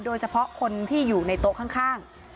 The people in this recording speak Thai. โดยเฉพาะคนที่อยู่ในโต๊ะข้าง